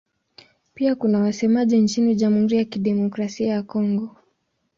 Pia kuna wasemaji nchini Jamhuri ya Kidemokrasia ya Kongo.